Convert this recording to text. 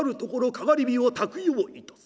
かがり火をたくようにいたす」。